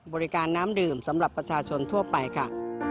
บริการน้ำดื่มสำหรับประชาชนทั่วไปค่ะ